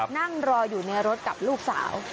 นั่งรออยู่ในรถกับลูกสาว